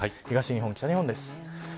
東日本、北日本です。